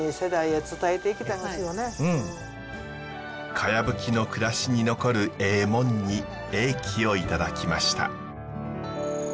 かやぶきの暮らしに残るえぇモンに英気をいただきました。